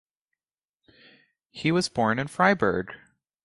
He was born in Freiburg.